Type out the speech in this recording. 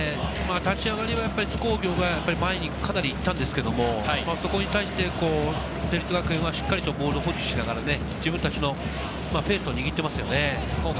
立ち上がりは津工業が前にかなり行ったんですけれども、そこに対して成立学園はしっかりとボールを保持しながら自分達のペースを握っていますよね。